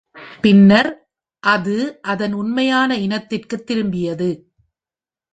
பின்னர் அது அதன் உண்மையான இனத்திற்குத் திரும்பியது.